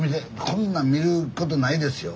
こんな見ることないですよ